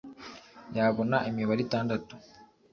yabona imibare itandatu